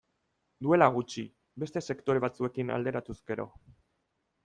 Duela gutxi, beste sektore batzuekin alderatuz gero.